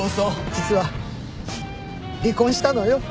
実はフッ離婚したのよ。